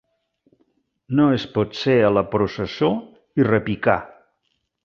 No es pot ser a la processó i repicar.